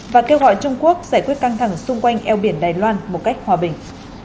và kêu gọi trung quốc giải quyết căng thẳng xung quanh eo biển đài loan một cách hòa bình